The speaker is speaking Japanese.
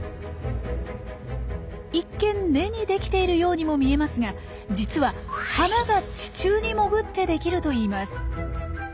一見根にできているようにも見えますが実は花が地中に潜ってできるといいます。